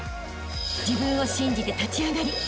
［自分を信じて立ち上がりあしたへ